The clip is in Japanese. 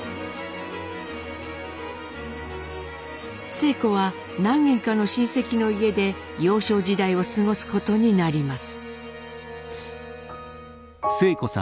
晴子は何軒かの親戚の家で幼少時代を過ごすことになります。